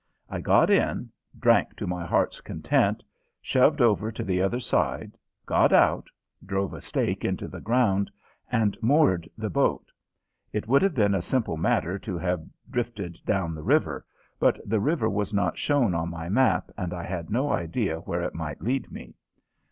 I got in, drank to my heart's content, shoved over to the other side, got out, drove a stake into the ground, and moored the boat. It would have been a simple matter to have drifted down the river, but the river was not shown on my map and I had no idea where it might lead me.